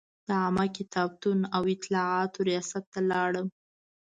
د عامه کتابتون او اطلاعاتو ریاست ته لاړم.